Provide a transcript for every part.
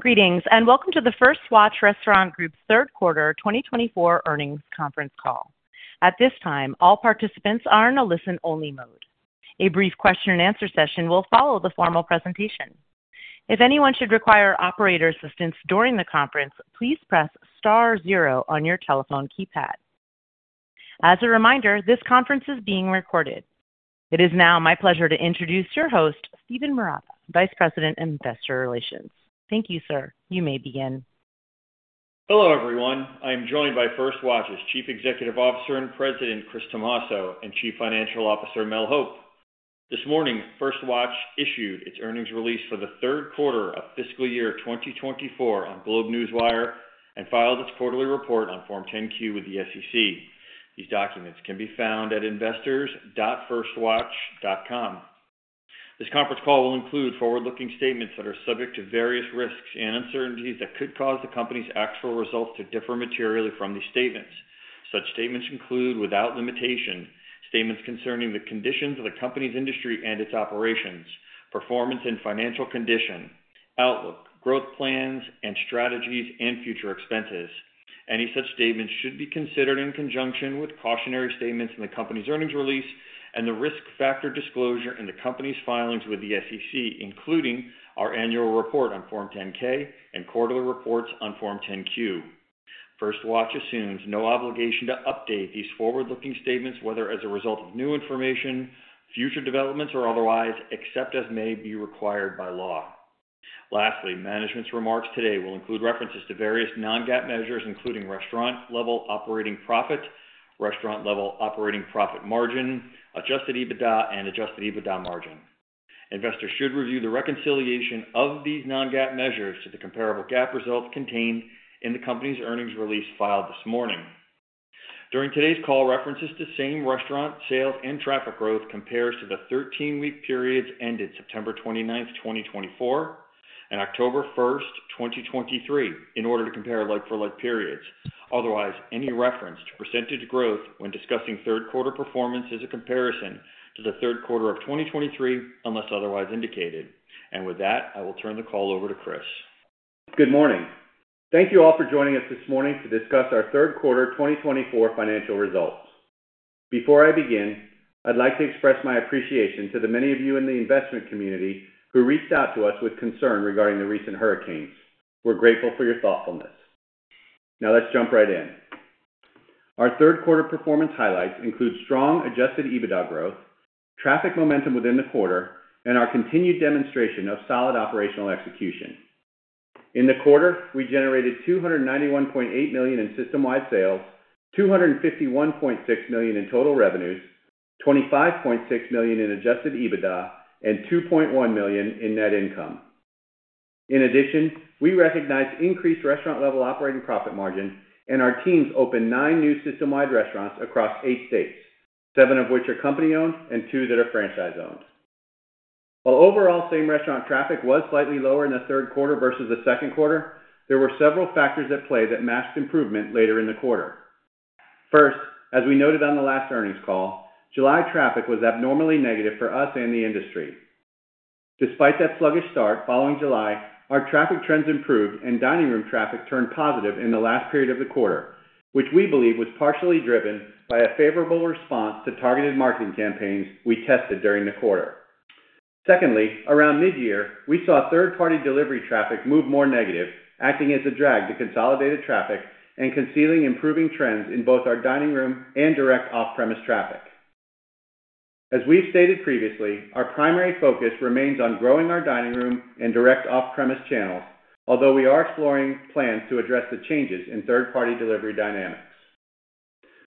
Greetings, and welcome to the First Watch Restaurant Group's Third Quarter 2024 earnings conference call. At this time, all participants are in a listen-only mode. A brief question-and-answer session will follow the formal presentation. If anyone should require operator assistance during the conference, please press star zero on your telephone keypad. As a reminder, this conference is being recorded. It is now my pleasure to introduce your host, Steven Marotta, Vice President of Investor Relations. Thank you, sir. You may begin. Hello, everyone. I am joined by First Watch's Chief Executive Officer and President Chris Tomasso and Chief Financial Officer Mel Hope. This morning, First Watch issued its earnings release for the third quarter of fiscal year 2024 on GlobeNewswire and filed its quarterly report on Form 10-Q with the SEC. These documents can be found at investors.firstwatch.com. This conference call will include forward-looking statements that are subject to various risks and uncertainties that could cause the company's actual results to differ materially from these statements. Such statements include without limitation, statements concerning the conditions of the company's industry and its operations, performance and financial condition, outlook, growth plans and strategies, and future expenses. Any such statements should be considered in conjunction with cautionary statements in the company's earnings release and the risk factor disclosure in the company's filings with the SEC, including our annual report on Form 10-K and quarterly reports on Form 10-Q. First Watch assumes no obligation to update these forward-looking statements, whether as a result of new information, future developments, or otherwise, except as may be required by law. Lastly, management's remarks today will include references to various non-GAAP measures, including restaurant-level operating profit, restaurant-level operating profit margin, adjusted EBITDA, and adjusted EBITDA margin. Investors should review the reconciliation of these non-GAAP measures to the comparable GAAP results contained in the company's earnings release filed this morning. During today's call, references to same restaurant sales and traffic growth compared to the 13-week periods ended September 29, 2024, and October 1, 2023, in order to compare like-for-like periods. Otherwise, any reference to percentage growth when discussing third quarter performance is a comparison to the third quarter of 2023 unless otherwise indicated, and with that, I will turn the call over to Chris. Good morning. Thank you all for joining us this morning to discuss our third quarter 2024 financial results. Before I begin, I'd like to express my appreciation to the many of you in the investment community who reached out to us with concern regarding the recent hurricanes. We're grateful for your thoughtfulness. Now, let's jump right in. Our third quarter performance highlights include strong Adjusted EBITDA growth, traffic momentum within the quarter, and our continued demonstration of solid operational execution. In the quarter, we generated $291.8 million in system-wide sales, $251.6 million in total revenues, $25.6 million in Adjusted EBITDA, and $2.1 million in net income. In addition, we recognize increased restaurant-level operating profit margin, and our teams opened nine new system-wide restaurants across eight states, seven of which are company-owned and two that are franchise-owned. While overall same restaurant traffic was slightly lower in the third quarter versus the second quarter, there were several factors at play that matched improvement later in the quarter. First, as we noted on the last earnings call, July traffic was abnormally negative for us and the industry. Despite that sluggish start, following July, our traffic trends improved and dining room traffic turned positive in the last period of the quarter, which we believe was partially driven by a favorable response to targeted marketing campaigns we tested during the quarter. Secondly, around mid-year, we saw third-party delivery traffic move more negative, acting as a drag to consolidated traffic and concealing improving trends in both our dining room and direct off-premise traffic. As we've stated previously, our primary focus remains on growing our dining room and direct off-premise channels, although we are exploring plans to address the changes in third-party delivery dynamics.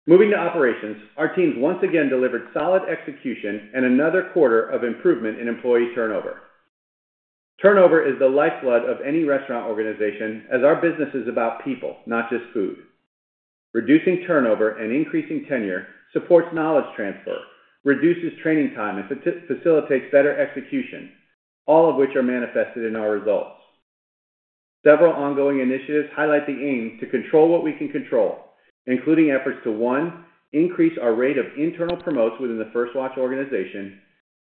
Moving to operations, our teams once again delivered solid execution and another quarter of improvement in employee turnover. Turnover is the lifeblood of any restaurant organization, as our business is about people, not just food. Reducing turnover and increasing tenure supports knowledge transfer, reduces training time, and facilitates better execution, all of which are manifested in our results. Several ongoing initiatives highlight the aim to control what we can control, including efforts to, one, increase our rate of internal promotes within the First Watch organization,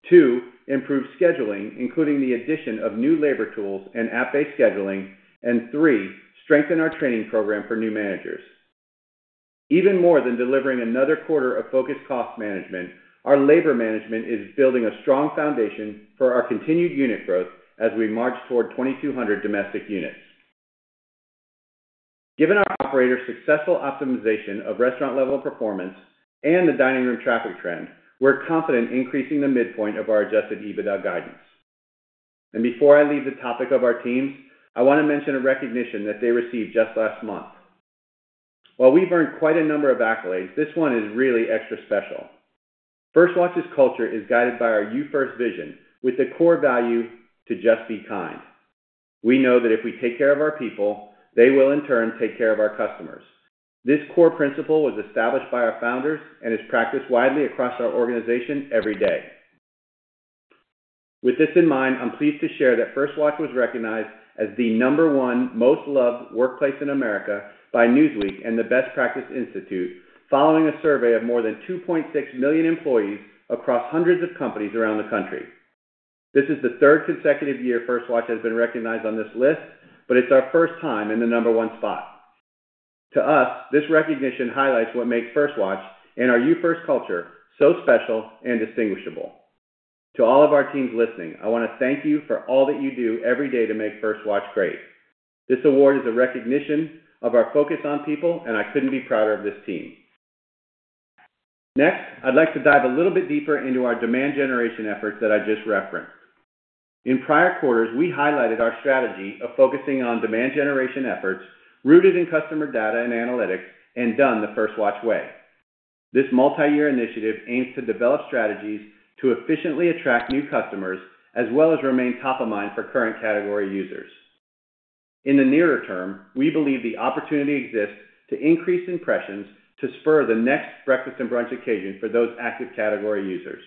two, improve scheduling, including the addition of new labor tools and app-based scheduling, and three, strengthen our training program for new managers. Even more than delivering another quarter of focused cost management, our labor management is building a strong foundation for our continued unit growth as we march toward 2,200 domestic units. Given our operator's successful optimization of restaurant-level performance and the dining room traffic trend, we're confident in increasing the midpoint of our Adjusted EBITDA guidance. And before I leave the topic of our teams, I want to mention a recognition that they received just last month. While we've earned quite a number of accolades, this one is really extra special. First Watch's culture is guided by our You First vision with the core value to just be kind. We know that if we take care of our people, they will in turn take care of our customers. This core principle was established by our founders and is practiced widely across our organization every day. With this in mind, I'm pleased to share that First Watch was recognized as the number one most loved workplace in America by Newsweek and the Best Practice Institute, following a survey of more than 2.6 million employees across hundreds of companies around the country. This is the third consecutive year First Watch has been recognized on this list, but it's our first time in the number one spot. To us, this recognition highlights what makes First Watch and our You First culture so special and distinguishable. To all of our teams listening, I want to thank you for all that you do every day to make First Watch great. This award is a recognition of our focus on people, and I couldn't be prouder of this team. Next, I'd like to dive a little bit deeper into our demand generation efforts that I just referenced. In prior quarters, we highlighted our strategy of focusing on demand generation efforts rooted in customer data and analytics and done the First Watch way. This multi-year initiative aims to develop strategies to efficiently attract new customers as well as remain top of mind for current category users. In the nearer term, we believe the opportunity exists to increase impressions to spur the next breakfast and brunch occasion for those active category users.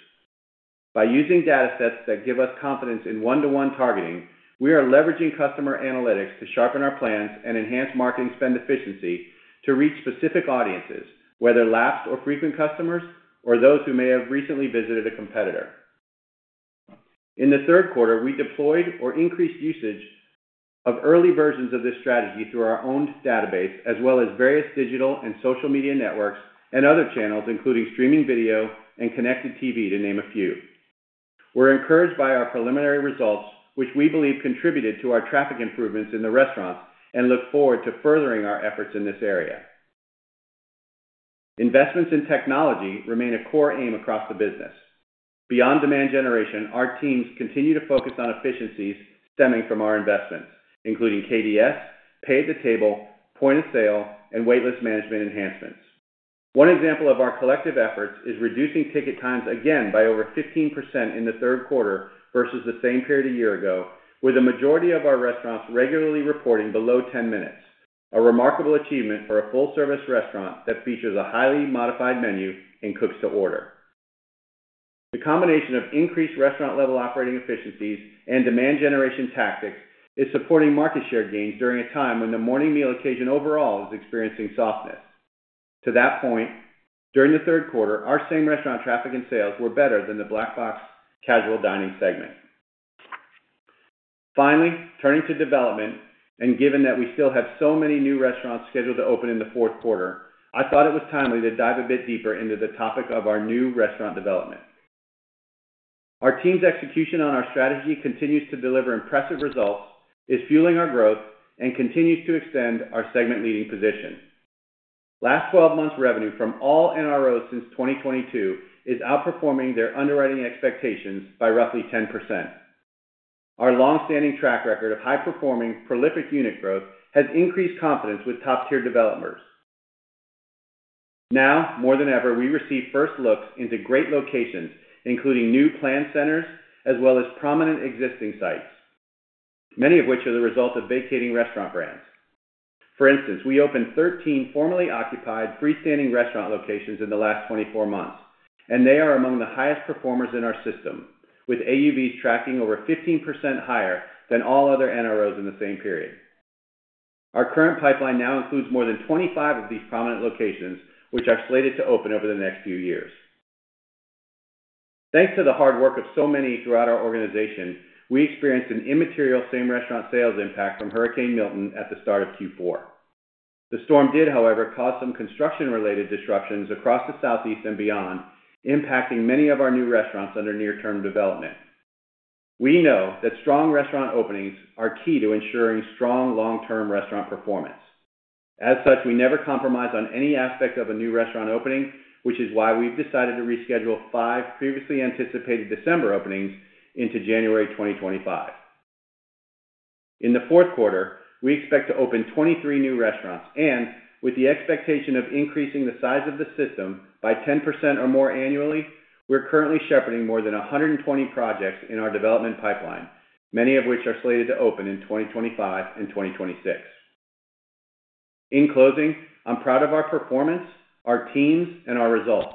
By using data sets that give us confidence in one-to-one targeting, we are leveraging customer analytics to sharpen our plans and enhance marketing spend efficiency to reach specific audiences, whether lapsed or frequent customers or those who may have recently visited a competitor. In the third quarter, we deployed or increased usage of early versions of this strategy through our own database as well as various digital and social media networks and other channels, including streaming video and connected TV, to name a few. We're encouraged by our preliminary results, which we believe contributed to our traffic improvements in the restaurants, and look forward to furthering our efforts in this area. Investments in technology remain a core aim across the business. Beyond demand generation, our teams continue to focus on efficiencies stemming from our investments, including KDS, pay-at-the-table, point-of-sale, and waitlist management enhancements. One example of our collective efforts is reducing ticket times again by over 15% in the third quarter versus the same period a year ago, with a majority of our restaurants regularly reporting below 10 minutes, a remarkable achievement for a full-service restaurant that features a highly modified menu and cooks to order. The combination of increased restaurant-level operating efficiencies and demand generation tactics is supporting market share gains during a time when the morning meal occasion overall is experiencing softness. To that point, during the third quarter, our same restaurant traffic and sales were better than the Black Box casual dining segment. Finally, turning to development, and given that we still have so many new restaurants scheduled to open in the fourth quarter, I thought it was timely to dive a bit deeper into the topic of our new restaurant development. Our team's execution on our strategy continues to deliver impressive results, is fueling our growth, and continues to extend our segment-leading position. Last 12 months' revenue from all NROs since 2022 is outperforming their underwriting expectations by roughly 10%. Our long-standing track record of high-performing, prolific unit growth has increased confidence with top-tier developers. Now, more than ever, we receive first looks into great locations, including new planned centers as well as prominent existing sites, many of which are the result of vacating restaurant brands. For instance, we opened 13 formerly occupied freestanding restaurant locations in the last 24 months, and they are among the highest performers in our system, with AUVs tracking over 15% higher than all other NROs in the same period. Our current pipeline now includes more than 25 of these prominent locations, which are slated to open over the next few years. Thanks to the hard work of so many throughout our organization, we experienced an immaterial same restaurant sales impact from Hurricane Milton at the start of Q4. The storm did, however, cause some construction-related disruptions across the Southeast and beyond, impacting many of our new restaurants under near-term development. We know that strong restaurant openings are key to ensuring strong long-term restaurant performance. As such, we never compromise on any aspect of a new restaurant opening, which is why we've decided to reschedule five previously anticipated December openings into January 2025. In the fourth quarter, we expect to open 23 new restaurants, and with the expectation of increasing the size of the system by 10% or more annually, we're currently shepherding more than 120 projects in our development pipeline, many of which are slated to open in 2025 and 2026. In closing, I'm proud of our performance, our teams, and our results.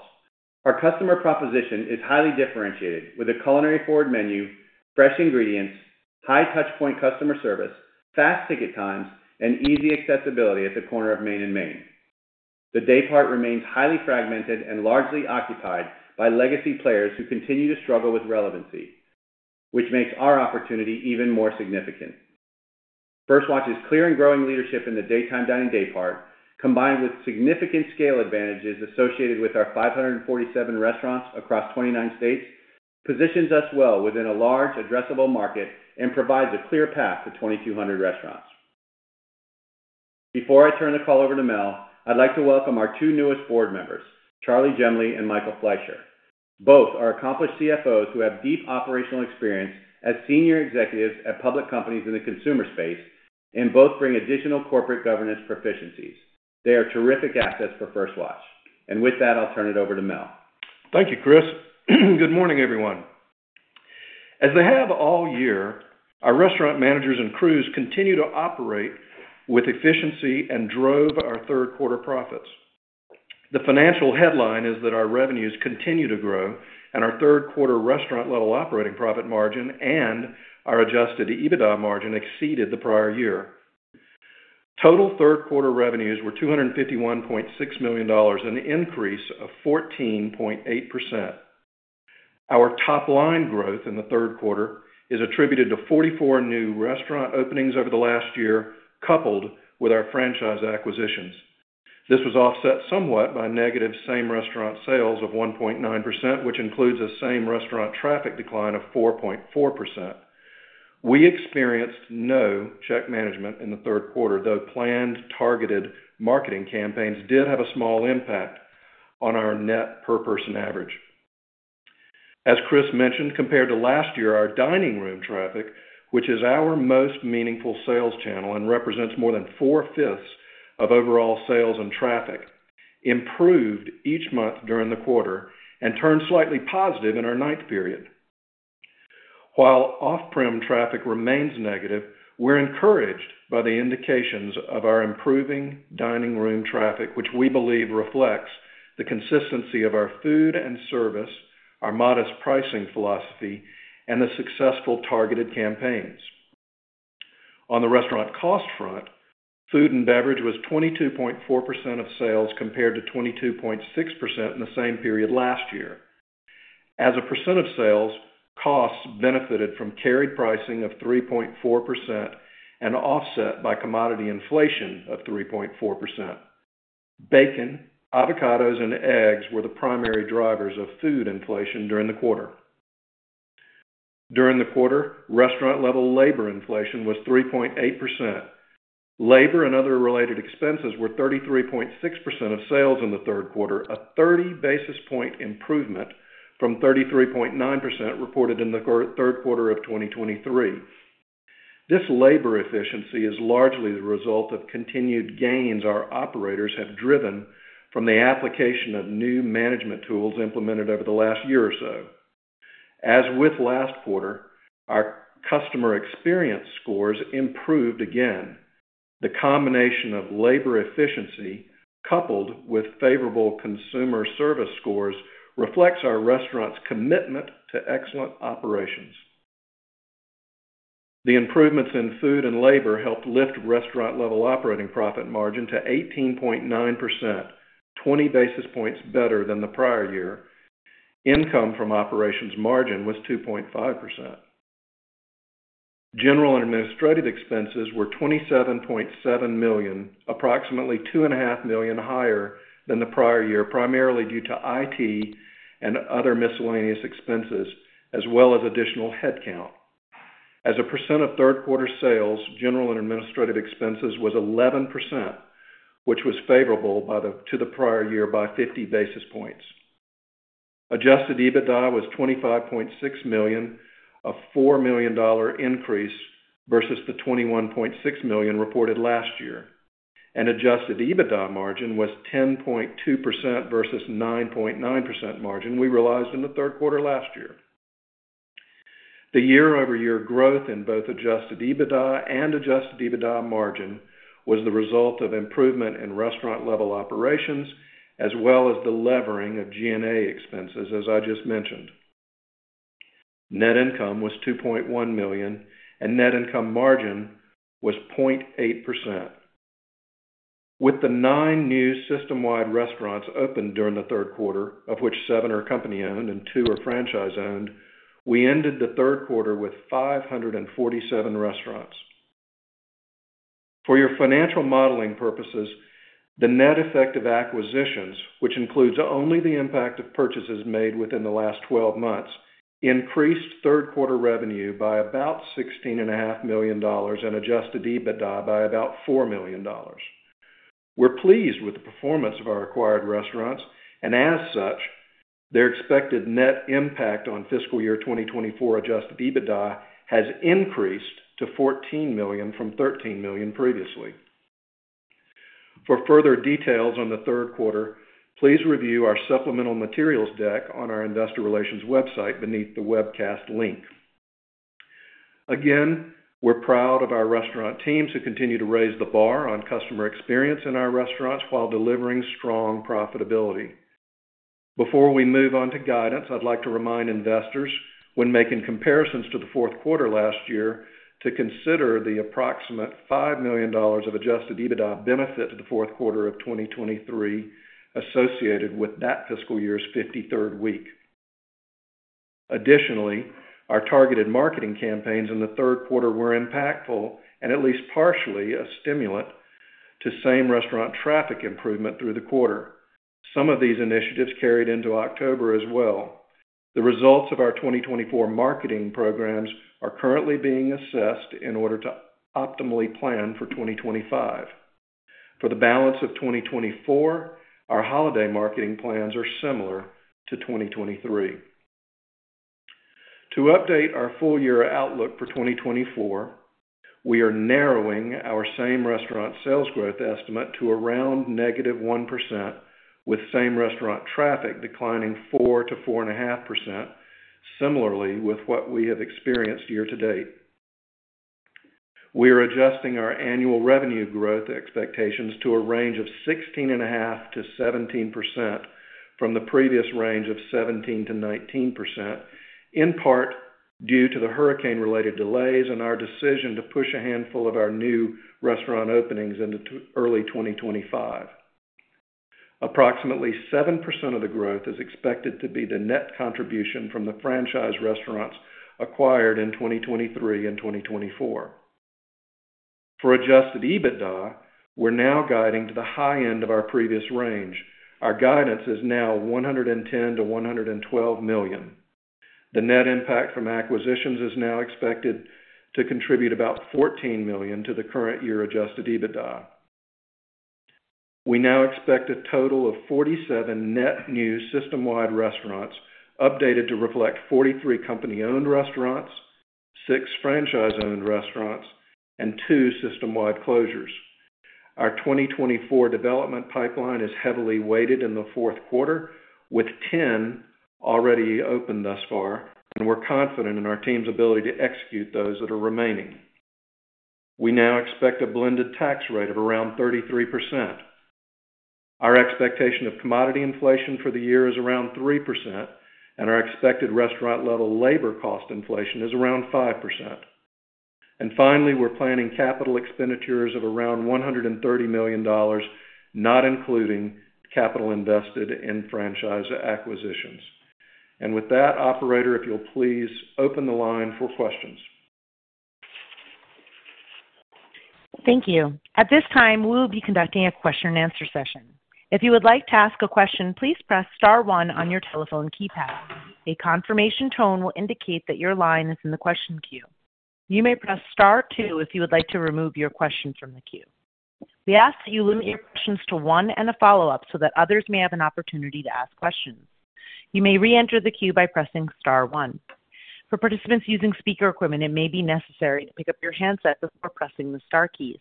Our customer proposition is highly differentiated with a culinary-forward menu, fresh ingredients, high-touchpoint customer service, fast ticket times, and easy accessibility at the corner of Main and Main. The day part remains highly fragmented and largely occupied by legacy players who continue to struggle with relevancy, which makes our opportunity even more significant. First Watch's clear and growing leadership in the daytime dining day part, combined with significant scale advantages associated with our 547 restaurants across 29 states, positions us well within a large, addressable market and provides a clear path to 2,200 restaurants. Before I turn the call over to Mel, I'd like to welcome our two newest board members, Charlie Jemley and Michael Fleisher. Both are accomplished CFOs who have deep operational experience as senior executives at public companies in the consumer space and both bring additional corporate governance proficiencies. They are terrific assets for First Watch. And with that, I'll turn it over to Mel. Thank you, Chris. Good morning, everyone. As they have all year, our restaurant managers and crews continue to operate with efficiency and drove our third quarter profits. The financial headline is that our revenues continue to grow, and our third quarter restaurant-level operating profit margin and our Adjusted EBITDA margin exceeded the prior year. Total third quarter revenues were $251.6 million and an increase of 14.8%. Our top-line growth in the third quarter is attributed to 44 new restaurant openings over the last year, coupled with our franchise acquisitions. This was offset somewhat by negative same restaurant sales of 1.9%, which includes a same restaurant traffic decline of 4.4%. We experienced no check management in the third quarter, though planned targeted marketing campaigns did have a small impact on our net per-person average. As Chris mentioned, compared to last year, our dining room traffic, which is our most meaningful sales channel and represents more than four-fifths of overall sales and traffic, improved each month during the quarter and turned slightly positive in our ninth period. While off-prem traffic remains negative, we're encouraged by the indications of our improving dining room traffic, which we believe reflects the consistency of our food and service, our modest pricing philosophy, and the successful targeted campaigns. On the restaurant cost front, food and beverage was 22.4% of sales compared to 22.6% in the same period last year. As a percent of sales, costs benefited from carried pricing of 3.4% and offset by commodity inflation of 3.4%. Bacon, avocados, and eggs were the primary drivers of food inflation during the quarter. During the quarter, restaurant-level labor inflation was 3.8%. Labor and other related expenses were 33.6% of sales in the third quarter, a 30 basis points improvement from 33.9% reported in the third quarter of 2023. This labor efficiency is largely the result of continued gains our operators have driven from the application of new management tools implemented over the last year or so. As with last quarter, our customer experience scores improved again. The combination of labor efficiency coupled with favorable consumer service scores reflects our restaurant's commitment to excellent operations. The improvements in food and labor helped lift restaurant-level operating profit margin to 18.9%, 20 basis points better than the prior year. Income from operations margin was 2.5%. General and administrative expenses were $27.7 million, approximately $2.5 million higher than the prior year, primarily due to IT and other miscellaneous expenses, as well as additional headcount. As a percent of third quarter sales, general and administrative expenses was 11%, which was favorable to the prior year by 50 basis points. Adjusted EBITDA was $25.6 million, a $4 million increase versus the $21.6 million reported last year, and adjusted EBITDA margin was 10.2% versus 9.9% margin we realized in the third quarter last year. The year-over-year growth in both adjusted EBITDA and adjusted EBITDA margin was the result of improvement in restaurant-level operations as well as the levering of G&A expenses, as I just mentioned. Net income was $2.1 million, and net income margin was 0.8%. With the nine new system-wide restaurants opened during the third quarter, of which seven are company-owned and two are franchise-owned, we ended the third quarter with 547 restaurants. For your financial modeling purposes, the net effective acquisitions, which includes only the impact of purchases made within the last 12 months, increased third quarter revenue by about $16.5 million and Adjusted EBITDA by about $4 million. We're pleased with the performance of our acquired restaurants, and as such, their expected net impact on fiscal year 2024 Adjusted EBITDA has increased to 14 million from 13 million previously. For further details on the third quarter, please review our supplemental materials deck on our investor relations website beneath the webcast link. Again, we're proud of our restaurant teams who continue to raise the bar on customer experience in our restaurants while delivering strong profitability. Before we move on to guidance, I'd like to remind investors, when making comparisons to the fourth quarter last year, to consider the approximate $5 million of adjusted EBITDA benefit to the fourth quarter of 2023 associated with that fiscal year's 53rd week. Additionally, our targeted marketing campaigns in the third quarter were impactful and at least partially a stimulant to same restaurant traffic improvement through the quarter. Some of these initiatives carried into October as well. The results of our 2024 marketing programs are currently being assessed in order to optimally plan for 2025. For the balance of 2024, our holiday marketing plans are similar to 2023. To update our full-year outlook for 2024, we are narrowing our same restaurant sales growth estimate to around negative 1%, with same restaurant traffic declining 4%-4.5%, similarly with what we have experienced year to date. We are adjusting our annual revenue growth expectations to a range of 16.5%-17% from the previous range of 17%-19%, in part due to the hurricane-related delays and our decision to push a handful of our new restaurant openings into early 2025. Approximately 7% of the growth is expected to be the net contribution from the franchise restaurants acquired in 2023 and 2024. For Adjusted EBITDA, we're now guiding to the high end of our previous range. Our guidance is now $110 million-$112 million. The net impact from acquisitions is now expected to contribute about $14 million to the current year Adjusted EBITDA. We now expect a total of 47 net new system-wide restaurants updated to reflect 43 company-owned restaurants, 6 franchise-owned restaurants, and 2 system-wide closures. Our 2024 development pipeline is heavily weighted in the fourth quarter, with 10 already opened thus far, and we're confident in our team's ability to execute those that are remaining. We now expect a blended tax rate of around 33%. Our expectation of commodity inflation for the year is around 3%, and our expected restaurant-level labor cost inflation is around 5%. Finally, we're planning capital expenditures of around $130 million, not including capital invested in franchise acquisitions. With that, Operator, if you'll please open the line for questions. Thank you. At this time, we will be conducting a question-and-answer session. If you would like to ask a question, please press Star 1 on your telephone keypad. A confirmation tone will indicate that your line is in the question queue. You may press Star 2 if you would like to remove your question from the queue. We ask that you limit your questions to one and a follow-up so that others may have an opportunity to ask questions. You may re-enter the queue by pressing Star 1. For participants using speaker equipment, it may be necessary to pick up your handset before pressing the Star keys.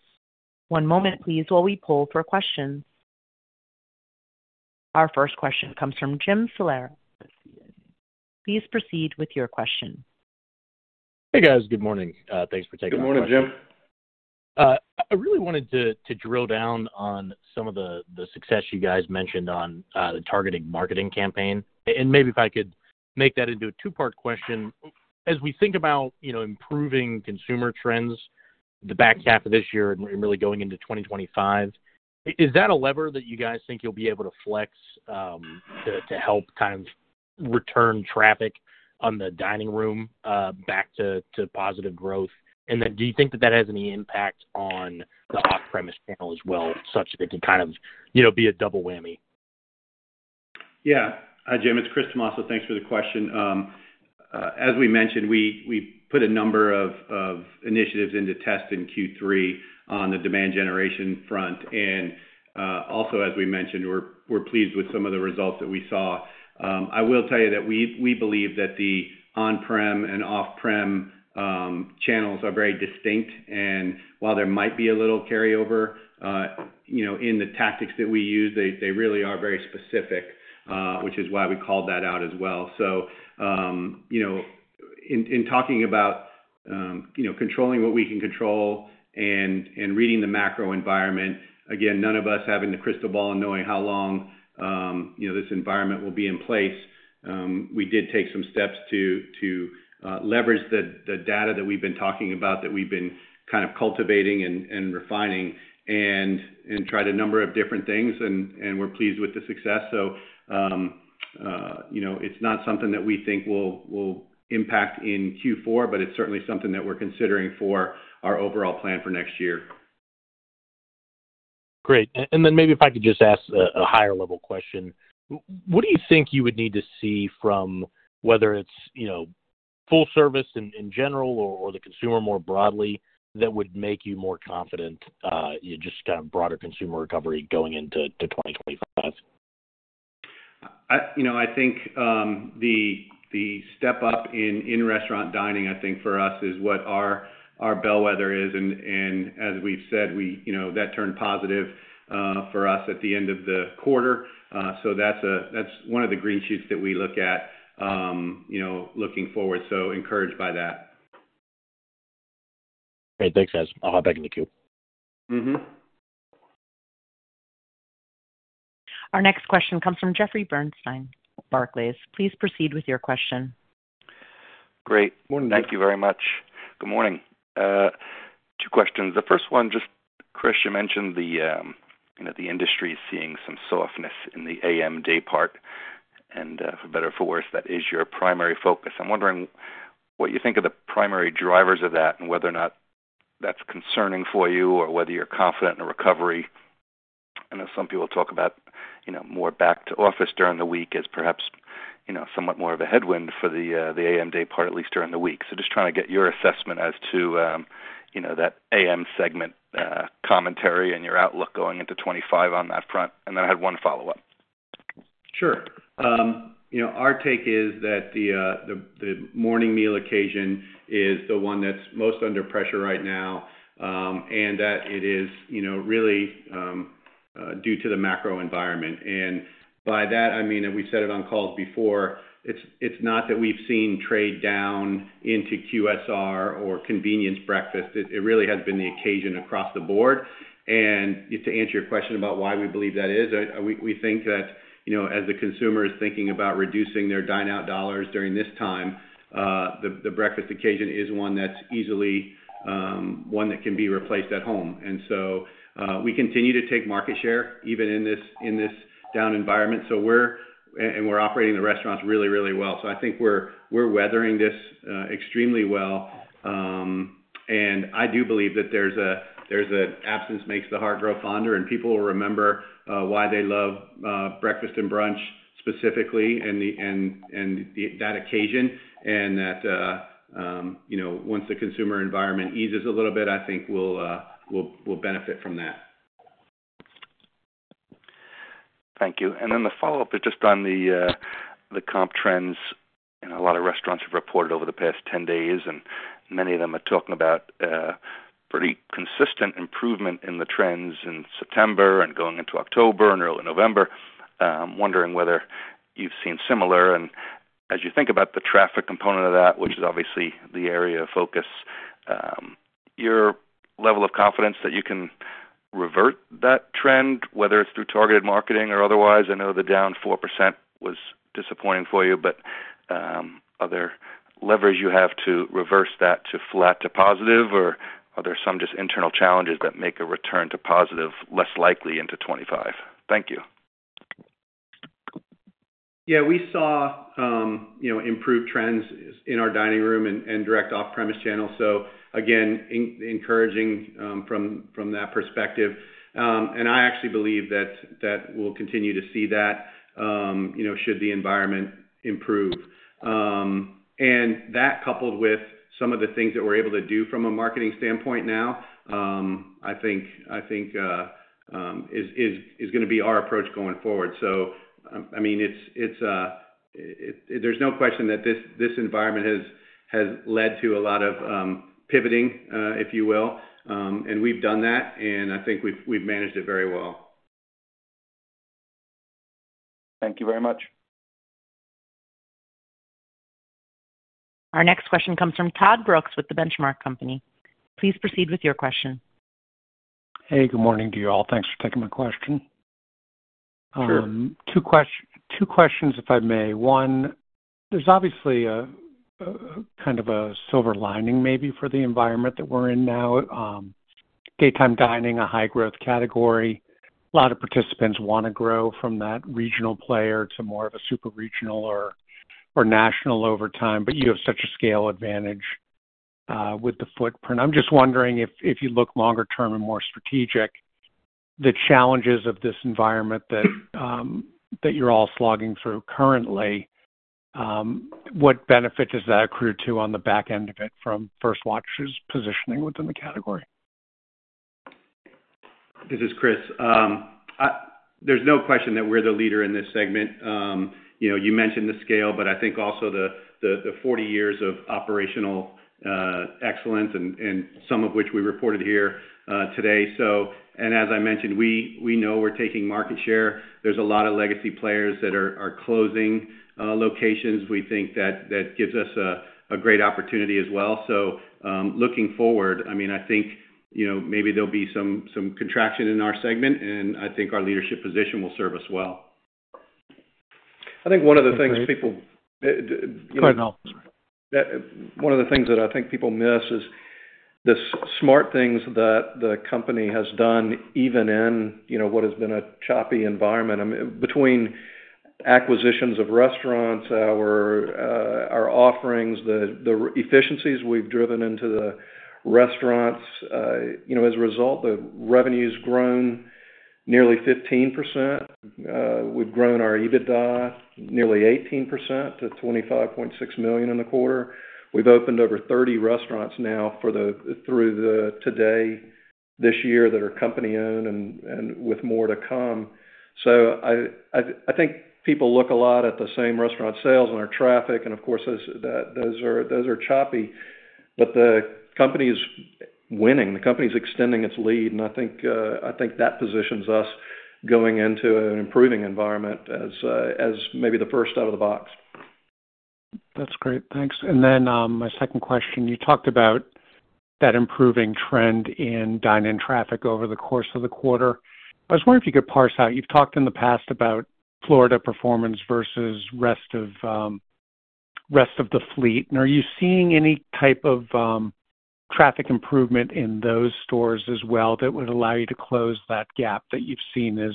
One moment, please, while we pull for questions. Our first question comes from Jim Salera. Please proceed with your question. Hey, guys. Good morning. Thanks for taking the time. Good morning, Jim. I really wanted to drill down on some of the success you guys mentioned on the targeted marketing campaign. And maybe if I could make that into a two-part question. As we think about improving consumer trends the back half of this year and really going into 2025, is that a lever that you guys think you'll be able to flex to help kind of return traffic on the dining room back to positive growth? And then do you think that that has any impact on the off-premise channel as well, such that it can kind of be a double whammy? Yeah. Hi, Jim. It's Chris Tomasso. Thanks for the question. As we mentioned, we put a number of initiatives into test in Q3 on the demand generation front. And also, as we mentioned, we're pleased with some of the results that we saw. I will tell you that we believe that the on-prem and off-prem channels are very distinct. And while there might be a little carryover in the tactics that we use, they really are very specific, which is why we called that out as well. So in talking about controlling what we can control and reading the macro environment, again, none of us having the crystal ball and knowing how long this environment will be in place, we did take some steps to leverage the data that we've been talking about, that we've been kind of cultivating and refining, and tried a number of different things, and we're pleased with the success. So it's not something that we think will impact in Q4, but it's certainly something that we're considering for our overall plan for next year. Great. And then maybe if I could just ask a higher-level question, what do you think you would need to see from whether it's full service in general or the consumer more broadly that would make you more confident, just kind of broader consumer recovery going into 2025? I think the step up in restaurant dining, I think, for us is what our bellwether is. And as we've said, that turned positive for us at the end of the quarter. So that's one of the green shoots that we look at looking forward, so encouraged by that. Great. Thanks, guys. I'll hop back into the queue. Mm-hmm. Our next question comes from Jeffrey Bernstein of Barclays. Please proceed with your question. Great. Thank you very much. Good morning. Two questions. The first one, just Chris, you mentioned the industry is seeing some softness in the AM day part. And for better or for worse, that is your primary focus. I'm wondering what you think of the primary drivers of that and whether or not that's concerning for you or whether you're confident in the recovery. I know some people talk about more back to office during the week as perhaps somewhat more of a headwind for the AM day part, at least during the week. So just trying to get your assessment as to that AM segment commentary and your outlook going into 2025 on that front. And then I had one follow-up. Sure. Our take is that the morning meal occasion is the one that's most under pressure right now and that it is really due to the macro environment, and by that, I mean, and we've said it on calls before, it's not that we've seen trade down into QSR or convenience breakfast. It really has been the occasion across the board, and to answer your question about why we believe that is, we think that as the consumer is thinking about reducing their dine-out dollars during this time, the breakfast occasion is one that's easily replaced at home, and so we continue to take market share even in this down environment, and we're operating the restaurants really, really well, so I think we're weathering this extremely well. I do believe that there's an absence makes the heart grow fonder, and people will remember why they love breakfast and brunch specifically and that occasion. That once the consumer environment eases a little bit, I think we'll benefit from that. Thank you. And then the follow-up is just on the comp trends. A lot of restaurants have reported over the past 10 days, and many of them are talking about pretty consistent improvement in the trends in September and going into October and early November. I'm wondering whether you've seen similar. And as you think about the traffic component of that, which is obviously the area of focus, your level of confidence that you can revert that trend, whether it's through targeted marketing or otherwise. I know the down 4% was disappointing for you, but are there levers you have to reverse that to flat to positive, or are there some just internal challenges that make a return to positive less likely into 2025? Thank you. Yeah. We saw improved trends in our dining room and direct off-premise channel. So again, encouraging from that perspective. And I actually believe that we'll continue to see that should the environment improve. And that coupled with some of the things that we're able to do from a marketing standpoint now, I think is going to be our approach going forward. So I mean, there's no question that this environment has led to a lot of pivoting, if you will. And we've done that, and I think we've managed it very well. Thank you very much. Our next question comes from Todd Brooks with The Benchmark Company. Please proceed with your question. Hey, good morning to you all. Thanks for taking my question. Two questions, if I may. One, there's obviously kind of a silver lining maybe for the environment that we're in now. Daytime dining, a high-growth category. A lot of participants want to grow from that regional player to more of a super regional or national over time, but you have such a scale advantage with the footprint. I'm just wondering if you look longer term and more strategic, the challenges of this environment that you're all slogging through currently, what benefit does that accrue to on the back end of it from First Watch's positioning within the category? This is Chris. There's no question that we're the leader in this segment. You mentioned the scale, but I think also the 40 years of operational excellence, and some of which we reported here today, and as I mentioned, we know we're taking market share. There's a lot of legacy players that are closing locations. We think that gives us a great opportunity as well, so looking forward, I mean, I think maybe there'll be some contraction in our segment, and I think our leadership position will serve us well. I think one of the things people. Go ahead, Mel. One of the things that I think people miss is the smart things that the company has done even in what has been a choppy environment. Between acquisitions of restaurants, our offerings, the efficiencies we've driven into the restaurants, as a result, the revenue's grown nearly 15%. We've grown our EBITDA nearly 18% to $25.6 million in the quarter. We've opened over 30 restaurants now through today this year that are company-owned and with more to come. So I think people look a lot at the same restaurant sales and our traffic, and of course, those are choppy. But the company is winning. The company is extending its lead, and I think that positions us going into an improving environment as maybe the first out of the box. That's great. Thanks. And then my second question, you talked about that improving trend in dine-in traffic over the course of the quarter. I was wondering if you could parse out. You've talked in the past about Florida performance versus rest of the fleet. And are you seeing any type of traffic improvement in those stores as well that would allow you to close that gap that you've seen as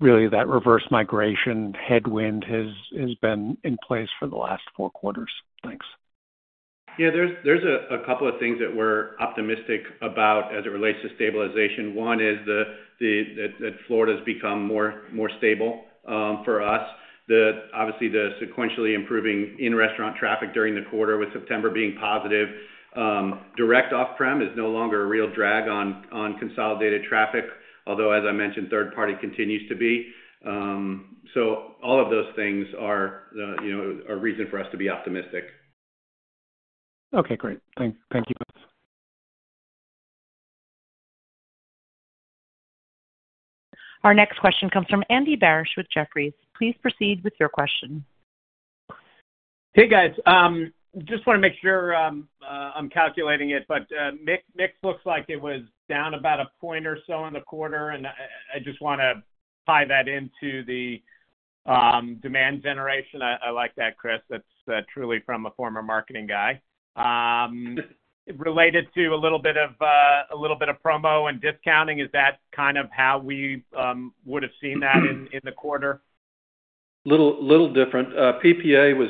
really that reverse migration headwind has been in place for the last four quarters? Thanks. Yeah. There's a couple of things that we're optimistic about as it relates to stabilization. One is that Florida's become more stable for us. Obviously, the sequentially improving in-restaurant traffic during the quarter with September being positive. Direct off-prem is no longer a real drag on consolidated traffic, although, as I mentioned, third-party continues to be. So all of those things are a reason for us to be optimistic. Okay. Great. Thank you both. Our next question comes from Andy Barish with Jefferies. Please proceed with your question. Hey, guys. Just want to make sure I'm calculating it, but mix looks like it was down about a point or so in the quarter. And I just want to tie that into the demand generation. I like that, Chris. That's truly from a former marketing guy. Related to a little bit of promo and discounting, is that kind of how we would have seen that in the quarter? A little different. PPA was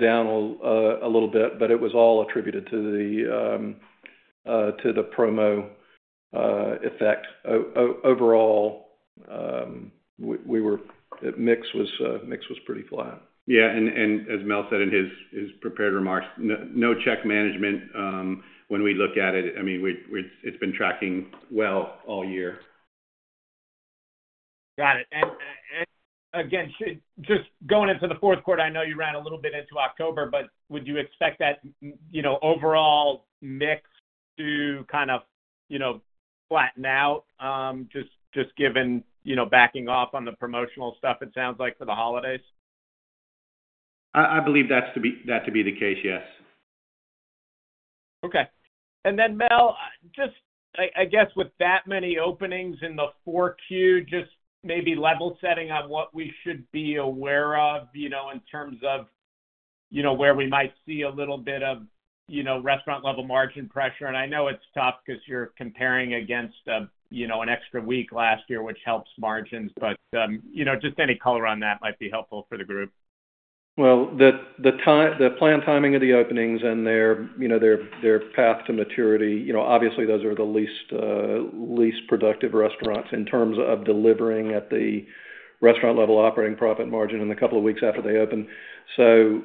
down a little bit, but it was all attributed to the promo effect. Overall, mix was pretty flat. Yeah. And as Mel said in his prepared remarks, no check management when we look at it. I mean, it's been tracking well all year. Got it. And again, just going into the fourth quarter, I know you ran a little bit into October, but would you expect that overall mix to kind of flatten out just given backing off on the promotional stuff, it sounds like, for the holidays? I believe that to be the case, yes. Okay. And then, Mel, just I guess with that many openings in the fourth year, just maybe level setting on what we should be aware of in terms of where we might see a little bit of restaurant-level margin pressure. And I know it's tough because you're comparing against an extra week last year, which helps margins, but just any color on that might be helpful for the group. The planned timing of the openings and their path to maturity, obviously, those are the least productive restaurants in terms of delivering at the restaurant-level operating profit margin in the couple of weeks after they open. So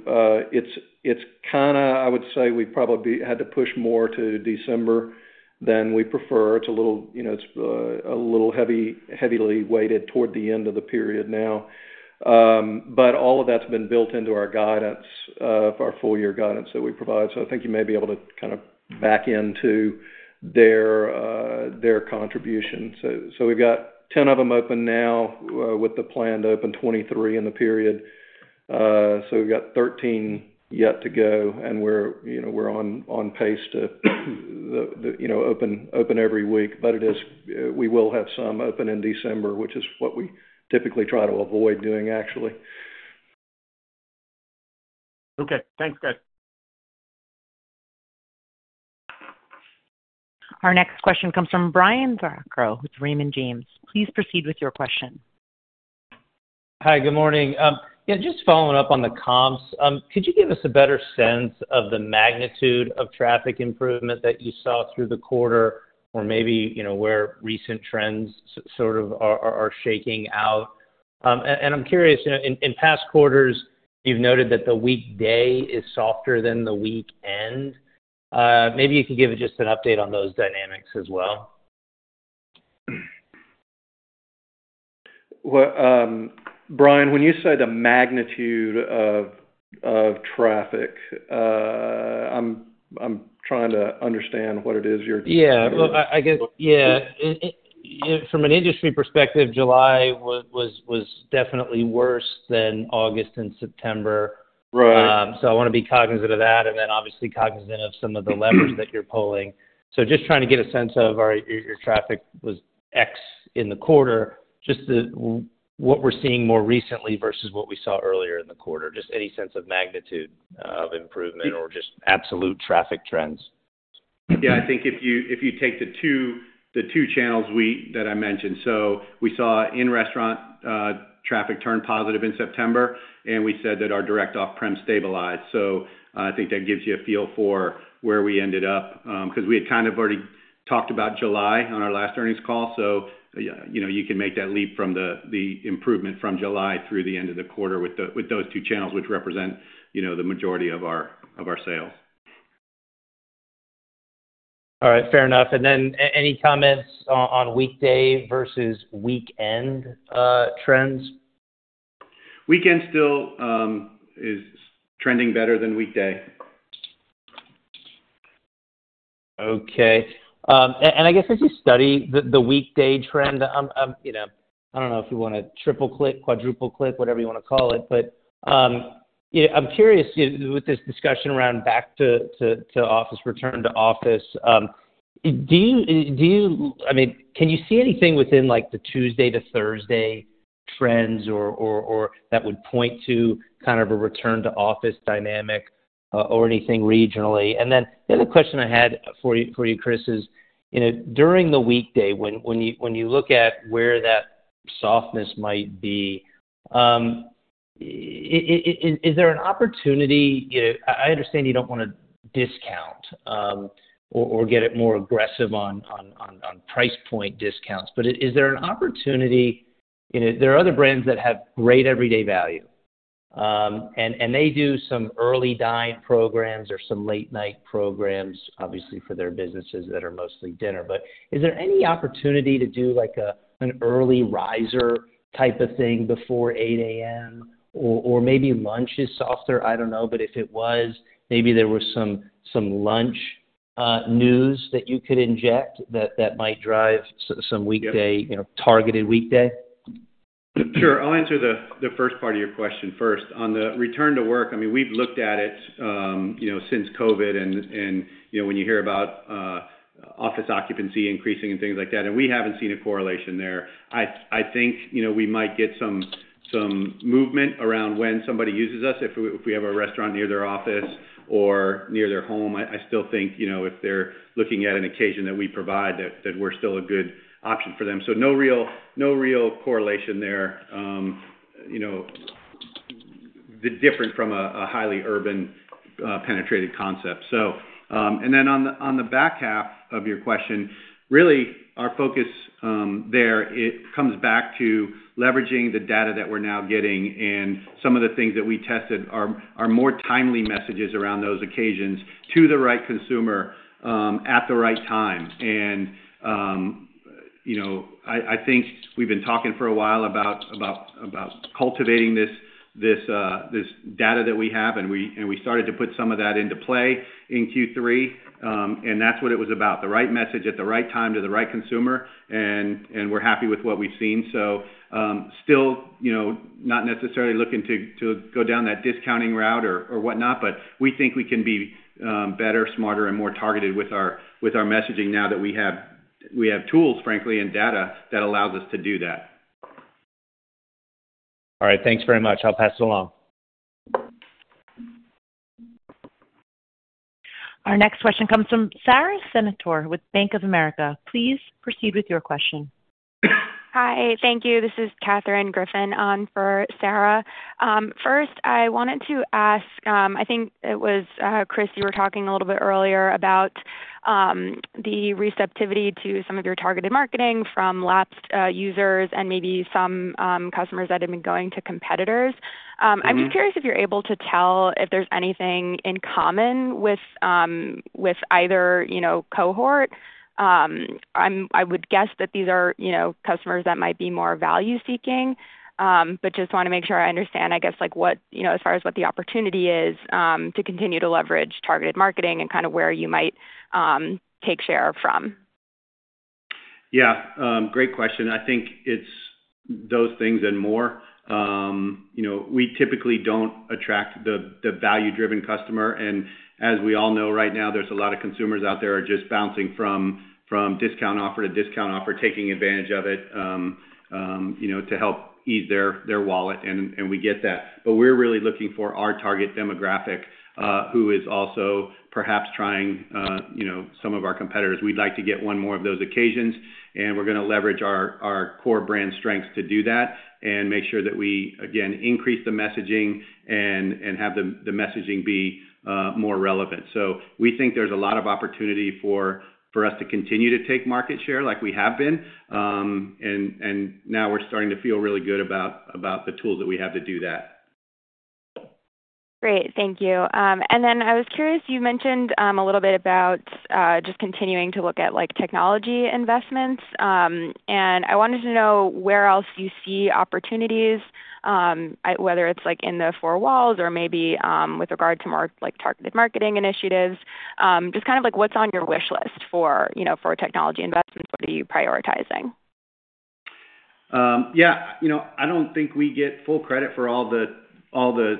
it's kind of, I would say, we've probably had to push more to December than we prefer. It's a little heavily weighted toward the end of the period now. But all of that's been built into our guidance, our four-year guidance that we provide. So I think you may be able to kind of back into their contribution. So we've got 10 of them open now with the plan to open 23 in the period. So we've got 13 yet to go, and we're on pace to open every week. But we will have some open in December, which is what we typically try to avoid doing, actually. Okay. Thanks, guys. Our next question comes from Brian Vaccaro, Raymond James. Please proceed with your question. Hi. Good morning. Yeah. Just following up on the comps, could you give us a better sense of the magnitude of traffic improvement that you saw through the quarter or maybe where recent trends sort of are shaking out? And I'm curious, in past quarters, you've noted that the weekday is softer than the weekend. Maybe you could give just an update on those dynamics as well. Brian, when you say the magnitude of traffic, I'm trying to understand what it is you're talking about. Yeah. Well, I guess, yeah, from an industry perspective, July was definitely worse than August and September. So I want to be cognizant of that and then obviously cognizant of some of the levers that you're pulling. So just trying to get a sense of, all right, your traffic was X in the quarter, just what we're seeing more recently versus what we saw earlier in the quarter, just any sense of magnitude of improvement or just absolute traffic trends. Yeah. I think if you take the two channels that I mentioned, so we saw in-restaurant traffic turn positive in September, and we said that our direct off-prem stabilized. So I think that gives you a feel for where we ended up because we had kind of already talked about July on our last earnings call. So you can make that leap from the improvement from July through the end of the quarter with those two channels, which represent the majority of our sales. All right. Fair enough, and then any comments on weekday versus weekend trends? Weekend still is trending better than weekday. Okay. And I guess as you study the weekday trend, I don't know if you want to triple-click, quadruple-click, whatever you want to call it, but I'm curious with this discussion around back to office, return to office. Do you, I mean, can you see anything within the Tuesday to Thursday trends that would point to kind of a return to office dynamic or anything regionally? And then the other question I had for you, Chris, is during the weekday, when you look at where that softness might be, is there an opportunity? I understand you don't want to discount or get it more aggressive on price point discounts, but is there an opportunity? There are other brands that have great everyday value, and they do some early dine programs or some late-night programs, obviously, for their businesses that are mostly dinner. But is there any opportunity to do an early riser type of thing before 8:00 A.M. or maybe lunch is softer? I don't know. But if it was, maybe there were some lunch news that you could inject that might drive some targeted weekday? Sure. I'll answer the first part of your question first. On the return to work, I mean, we've looked at it since COVID, and when you hear about office occupancy increasing and things like that, and we haven't seen a correlation there. I think we might get some movement around when somebody uses us if we have a restaurant near their office or near their home. I still think if they're looking at an occasion that we provide, that we're still a good option for them. So no real correlation there, different from a highly urban penetrated concept. And then on the back half of your question, really, our focus there, it comes back to leveraging the data that we're now getting and some of the things that we tested are more timely messages around those occasions to the right consumer at the right time. And I think we've been talking for a while about cultivating this data that we have, and we started to put some of that into play in Q3. And that's what it was about, the right message at the right time to the right consumer, and we're happy with what we've seen. So still not necessarily looking to go down that discounting route or whatnot, but we think we can be better, smarter, and more targeted with our messaging now that we have tools, frankly, and data that allows us to do that. All right. Thanks very much. I'll pass it along. Our next question comes from Sara Senatore with Bank of America. Please proceed with your question. Hi. Thank you. This is Katherine Griffin for Sara. First, I wanted to ask, I think it was Chris, you were talking a little bit earlier about the receptivity to some of your targeted marketing from lapsed users and maybe some customers that had been going to competitors. I'm just curious if you're able to tell if there's anything in common with either cohort. I would guess that these are customers that might be more value-seeking, but just want to make sure I understand, I guess, as far as what the opportunity is to continue to leverage targeted marketing and kind of where you might take share from. Yeah. Great question. I think it's those things and more. We typically don't attract the value-driven customer. And as we all know right now, there's a lot of consumers out there just bouncing from discount offer to discount offer, taking advantage of it to help ease their wallet. And we get that. But we're really looking for our target demographic who is also perhaps trying some of our competitors. We'd like to get one more of those occasions, and we're going to leverage our core brand strengths to do that and make sure that we, again, increase the messaging and have the messaging be more relevant. So we think there's a lot of opportunity for us to continue to take market share like we have been. And now we're starting to feel really good about the tools that we have to do that. Great. Thank you. And then I was curious, you mentioned a little bit about just continuing to look at technology investments. And I wanted to know where else you see opportunities, whether it's in the four walls or maybe with regard to more targeted marketing initiatives, just kind of what's on your wish list for technology investments? What are you prioritizing? Yeah. I don't think we get full credit for all the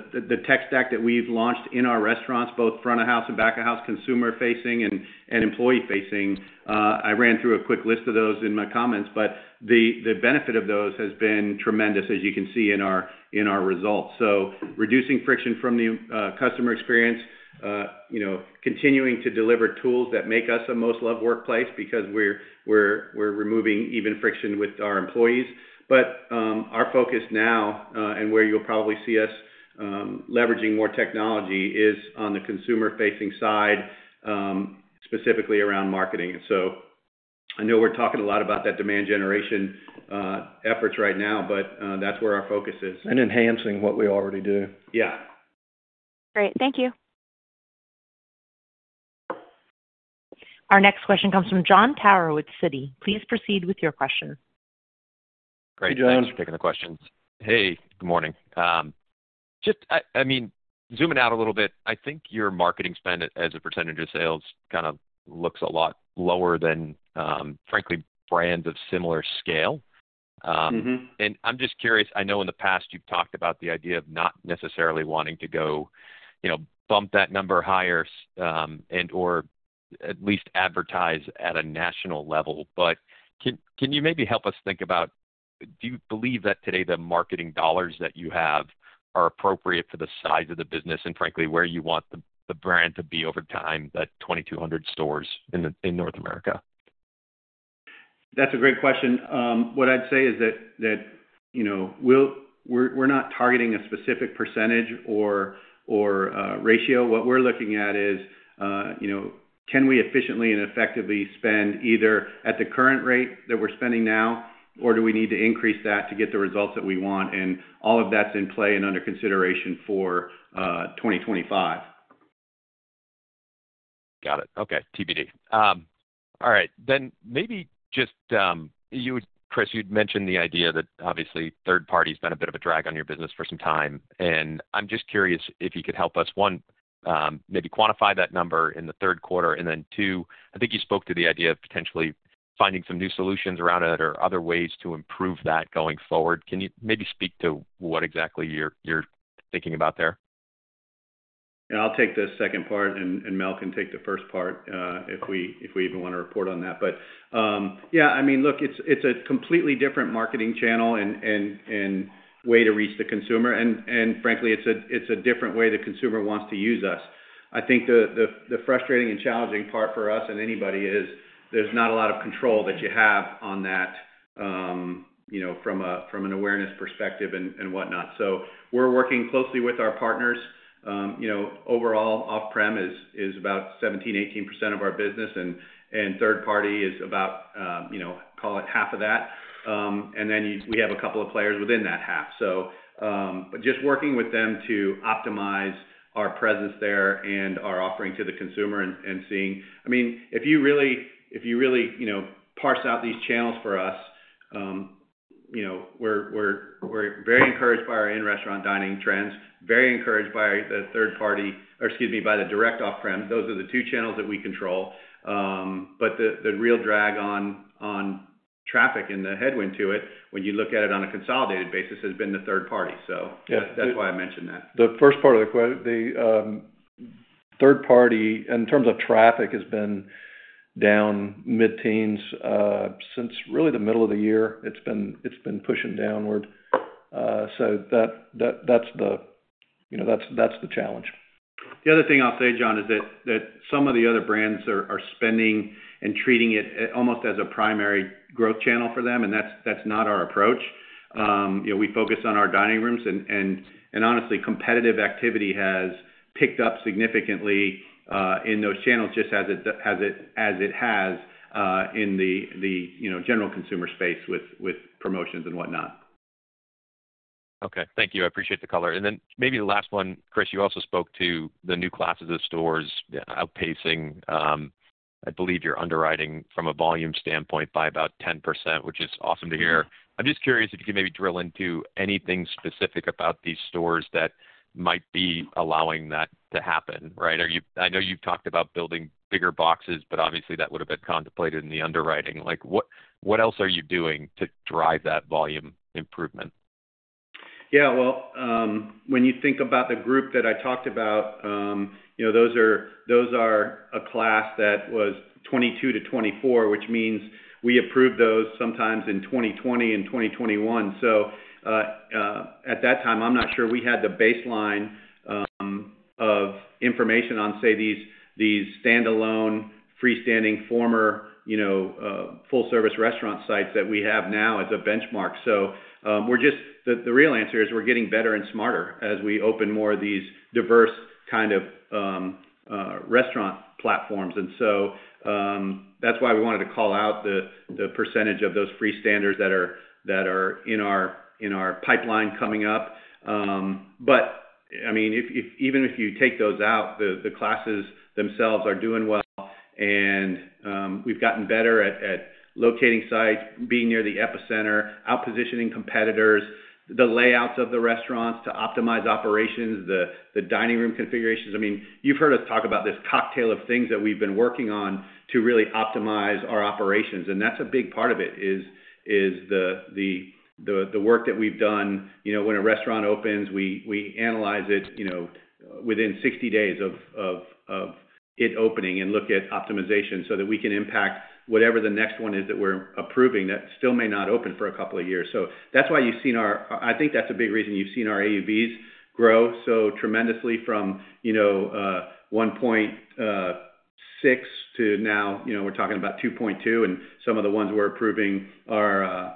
tech stack that we've launched in our restaurants, both front-of-house and back-of-house, consumer-facing and employee-facing. I ran through a quick list of those in my comments, but the benefit of those has been tremendous, as you can see in our results. So reducing friction from the customer experience, continuing to deliver tools that make us a most-loved workplace because we're removing even friction with our employees. But our focus now and where you'll probably see us leveraging more technology is on the consumer-facing side, specifically around marketing. So I know we're talking a lot about that demand generation efforts right now, but that's where our focus is. Enhancing what we already do. Yeah. Great. Thank you. Our next question comes from Jon Tower with Citi. Please proceed with your question. Hey, Jon. I'm just taking the questions. Hey, good morning. I mean, zooming out a little bit, I think your marketing spend as a percentage of sales kind of looks a lot lower than, frankly, brands of similar scale. And I'm just curious, I know in the past you've talked about the idea of not necessarily wanting to go bump that number higher and/or at least advertise at a national level. But can you maybe help us think about, do you believe that today the marketing dollars that you have are appropriate for the size of the business and, frankly, where you want the brand to be over time, the 2,200 stores in North America? That's a great question. What I'd say is that we're not targeting a specific percentage or ratio. What we're looking at is, can we efficiently and effectively spend either at the current rate that we're spending now, or do we need to increase that to get the results that we want, and all of that's in play and under consideration for 2025. Got it. Okay. TBD. All right. Then maybe just, Chris, you'd mentioned the idea that obviously third-party's been a bit of a drag on your business for some time. And I'm just curious if you could help us, one, maybe quantify that number in the third quarter. And then, two, I think you spoke to the idea of potentially finding some new solutions around it or other ways to improve that going forward. Can you maybe speak to what exactly you're thinking about there? And I'll take the second part, and Mel can take the first part if we even want to report on that. But yeah, I mean, look, it's a completely different marketing channel and way to reach the consumer. And frankly, it's a different way the consumer wants to use us. I think the frustrating and challenging part for us and anybody is there's not a lot of control that you have on that from an awareness perspective and whatnot. So we're working closely with our partners. Overall, off-prem is about 17%-18% of our business, and third-party is about, call it half of that. And then we have a couple of players within that half. But just working with them to optimize our presence there and our offering to the consumer and seeing, I mean, if you really parse out these channels for us, we're very encouraged by our in-restaurant dining trends, very encouraged by the third party or, excuse me, by the direct off-prem. Those are the two channels that we control. But the real drag on traffic and the headwind to it, when you look at it on a consolidated basis, has been the third party. So that's why I mentioned that. The first part of the third-party, in terms of traffic, has been down mid-teens since really the middle of the year. It's been pushing downward. So that's the challenge. The other thing I'll say, Jon, is that some of the other brands are spending and treating it almost as a primary growth channel for them, and that's not our approach. We focus on our dining rooms, and honestly, competitive activity has picked up significantly in those channels just as it has in the general consumer space with promotions and whatnot. Okay. Thank you. I appreciate the color. And then maybe the last one, Chris. You also spoke to the new classes of stores outpacing, I believe, your underwriting from a volume standpoint by about 10%, which is awesome to hear. I'm just curious if you can maybe drill into anything specific about these stores that might be allowing that to happen, right? I know you've talked about building bigger boxes, but obviously, that would have been contemplated in the underwriting. What else are you doing to drive that volume improvement? Yeah. Well, when you think about the group that I talked about, those are a class that was 22 to 24, which means we approved those sometime in 2020 and 2021. So at that time, I'm not sure we had the baseline of information on, say, these standalone, freestanding, former full-service restaurant sites that we have now as a benchmark. So the real answer is we're getting better and smarter as we open more of these diverse kind of restaurant platforms. And so that's why we wanted to call out the percentage of those freestanders that are in our pipeline coming up. But I mean, even if you take those out, the classes themselves are doing well, and we've gotten better at locating sites, being near the epicenter, outpositioning competitors, the layouts of the restaurants to optimize operations, the dining room configurations. I mean, you've heard us talk about this cocktail of things that we've been working on to really optimize our operations, and that's a big part of it is the work that we've done. When a restaurant opens, we analyze it within 60 days of it opening and look at optimization so that we can impact whatever the next one is that we're approving that still may not open for a couple of years, so that's why you've seen our I think that's a big reason you've seen our AUVs grow so tremendously from 1.6 to now we're talking about 2.2, and some of the ones we're approving are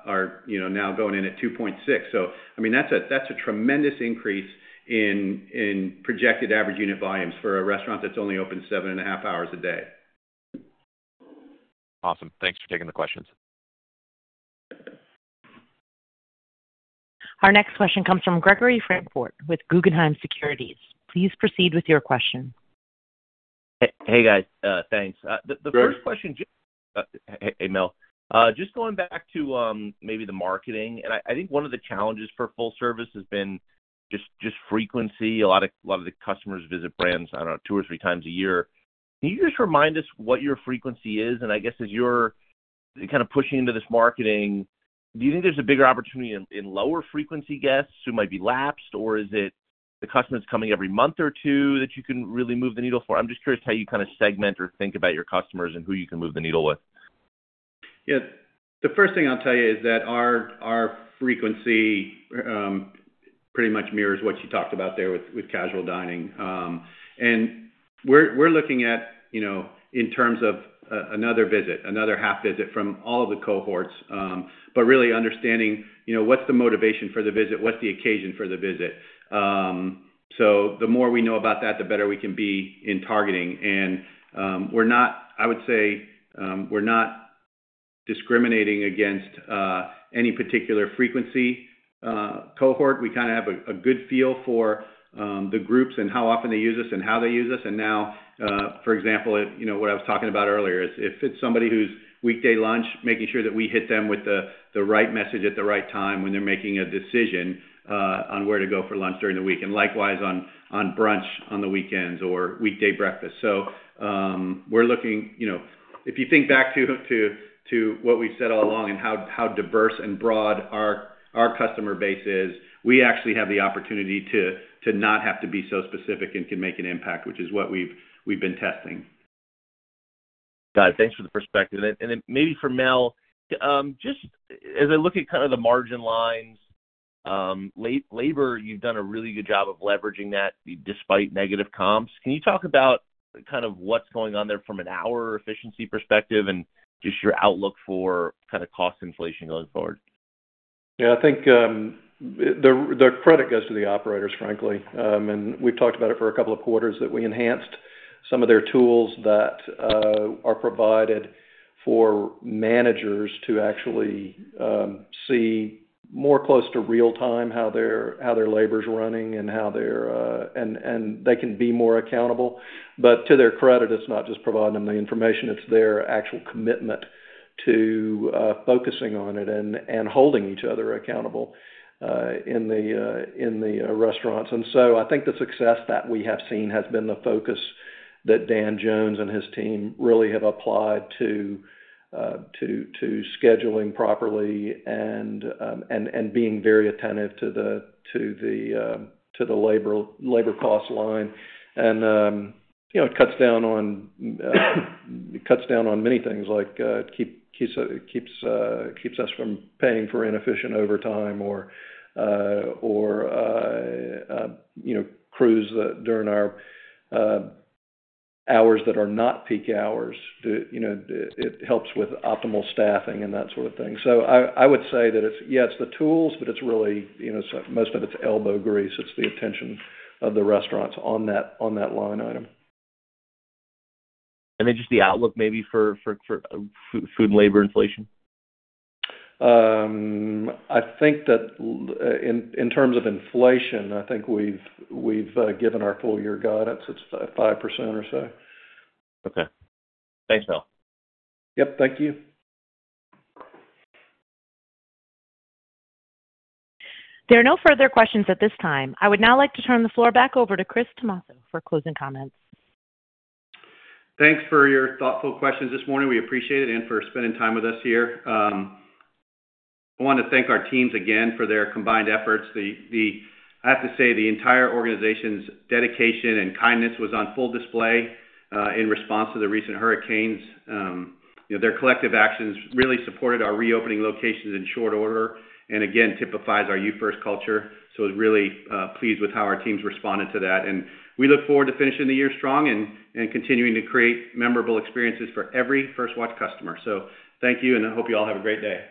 now going in at 2.6, so I mean, that's a tremendous increase in projected average unit volumes for a restaurant that's only open seven and a half hours a day. Awesome. Thanks for taking the questions. Our next question comes from Gregory Francfort with Guggenheim Securities. Please proceed with your question. Hey, guys. Thanks. The first question, hey, Mel, just going back to maybe the marketing. And I think one of the challenges for full service has been just frequency. A lot of the customers visit brands, I don't know, two or three times a year. Can you just remind us what your frequency is? And I guess as you're kind of pushing into this marketing, do you think there's a bigger opportunity in lower frequency guests who might be lapsed, or is it the customers coming every month or two that you can really move the needle for? I'm just curious how you kind of segment or think about your customers and who you can move the needle with. Yeah. The first thing I'll tell you is that our frequency pretty much mirrors what you talked about there with casual dining. And we're looking at in terms of another visit, another half visit from all of the cohorts, but really understanding what's the motivation for the visit, what's the occasion for the visit. So the more we know about that, the better we can be in targeting. And I would say we're not discriminating against any particular frequency cohort. We kind of have a good feel for the groups and how often they use us and how they use us. And now, for example, what I was talking about earlier is if it's somebody who's weekday lunch, making sure that we hit them with the right message at the right time when they're making a decision on where to go for lunch during the week and likewise on brunch on the weekends or weekday breakfast. So we're looking if you think back to what we've said all along and how diverse and broad our customer base is. We actually have the opportunity to not have to be so specific and can make an impact, which is what we've been testing. Got it. Thanks for the perspective, and then maybe for Mel, just as I look at kind of the margin lines, labor, you've done a really good job of leveraging that despite negative comps. Can you talk about kind of what's going on there from an hour efficiency perspective and just your outlook for kind of cost inflation going forward? Yeah. I think the credit goes to the operators, frankly. And we've talked about it for a couple of quarters that we enhanced some of their tools that are provided for managers to actually see more close to real-time how their labor's running and how they're, and they can be more accountable. But to their credit, it's not just providing them the information. It's their actual commitment to focusing on it and holding each other accountable in the restaurants. And so I think the success that we have seen has been the focus that Dan Jones and his team really have applied to scheduling properly and being very attentive to the labor cost line. And it cuts down on many things like keeps us from paying for inefficient overtime or crews during our hours that are not peak hours. It helps with optimal staffing and that sort of thing. So I would say that it's, yes, the tools, but it's really most of it's elbow grease. It's the attention of the restaurants on that line item. Then just the outlook maybe for food and labor inflation? I think that in terms of inflation, I think we've given our full-year guidance. It's 5% or so. Okay. Thanks, Mel. Yep. Thank you. There are no further questions at this time. I would now like to turn the floor back over to Chris Tomasso for closing comments. Thanks for your thoughtful questions this morning. We appreciate it. And for spending time with us here. I want to thank our teams again for their combined efforts. I have to say the entire organization's dedication and kindness was on full display in response to the recent hurricanes. Their collective actions really supported our reopening locations in short order and again typifies our You First culture. So I was really pleased with how our teams responded to that. And we look forward to finishing the year strong and continuing to create memorable experiences for every First Watch customer. So thank you, and I hope you all have a great day.